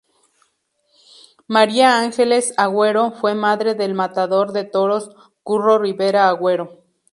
María Ángeles Agüero fue madre del matador de toros Curro Rivera Agüero.